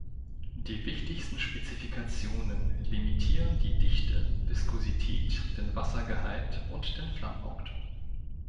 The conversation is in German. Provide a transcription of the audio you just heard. Die wichtigsten Spezifikationen limitieren die Dichte, Viskosität, den Wassergehalt und den Flammpunkt.